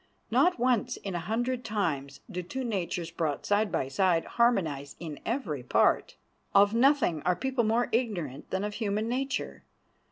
Not once in a hundred times do two natures brought side by side harmonize in every part. Of nothing are people more ignorant than of human nature.